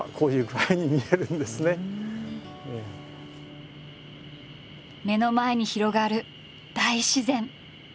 目の前に広がる大自然。